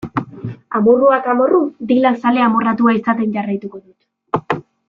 Amorruak amorru, Dylan zale amorratua izaten jarraituko dut.